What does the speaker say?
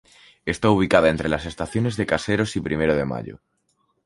Está ubicada entre las estaciones de Caseros y Primero de Mayo.